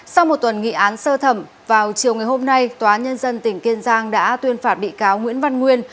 sau một tuần nghị án sơ thẩm vào chiều ngày hôm nay tòa nhân dân tỉnh kiên giang đã tuyên phạt bị cáo nguyễn văn nguyên